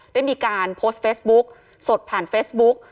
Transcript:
ได้มีการโพสต์เฟซบุ๊กสดผ่านเฟซบุ๊ก